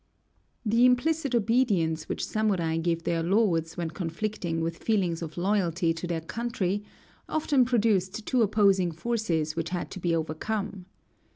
The implicit obedience which samurai gave their lords, when conflicting with feelings of loyalty to their country, often produced two opposing forces which had to be overcome.